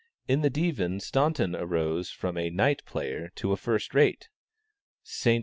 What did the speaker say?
In the Divan, Staunton rose from a Knight player to a first rate. St.